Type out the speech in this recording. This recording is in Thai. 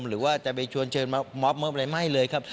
หรือว่าจะไปชวนเชิญมามอบอะไรไม่เลยครับ